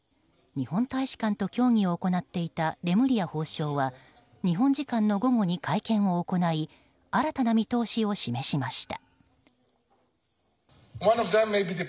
日本大使館と協議を行っていたレムリヤ法相は日本時間の午後に会見を行い新たな見通しを示しました。